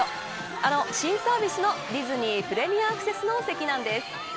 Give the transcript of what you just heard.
あの新サービスのディズニー・プレミアアクセスの席なんです。